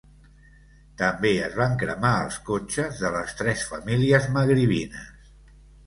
També es van cremar els cotxes de les tres famílies magribines.